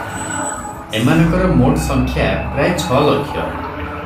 ଏମାନଙ୍କର ମୋଟସଂଖ୍ୟା ପ୍ରାୟ ଛଲକ୍ଷ ।